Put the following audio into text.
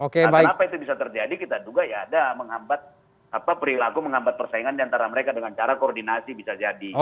nah kenapa itu bisa terjadi kita duga ya ada menghambat perilaku menghambat persaingan diantara mereka dengan cara koordinasi bisa jadi